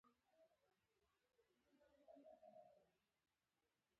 د مارچ په پنځمه نېټه د دوه زره دولسم کال ستاینلیک ورکړل شو.